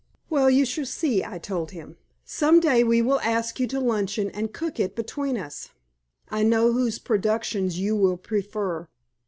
"Well, you shall see," I told him. "Some day we will ask you to luncheon and cook it between us. I know whose productions you will prefer."